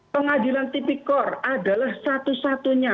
pengadilan tipikor adalah satu satunya